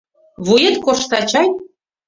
Вует коршта чай?